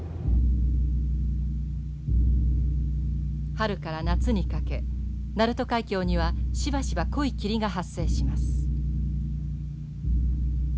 春から夏にかけ鳴門海峡にはしばしば濃い霧が発生します。